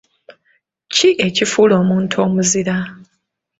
Ki ekifuula omuntu omuzira?